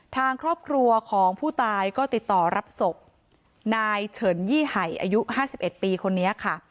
ทางครอบครัวของผู้ตายก็ติดต่อรับศพนายเฉินยี่ไห่อายุ๕๑ปีคนนี้ค่ะ